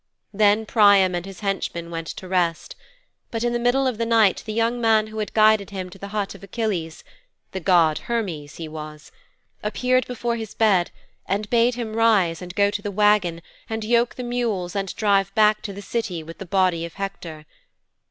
'Then Priam and his henchman went to rest. But in the middle of the night the young man who had guided him to the hut of Achilles the god Hermes he was appeared before his bed and bade him arise and go to the wagon and yoke the mules and drive back to the City with the body of Hector.